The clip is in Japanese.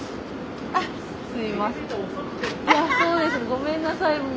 ごめんなさい。